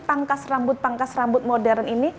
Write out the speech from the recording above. pangkas rambut pangkas rambut modern ini